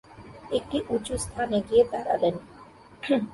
একটি উঁচু স্থানে গিয়ে দাঁড়ালেন।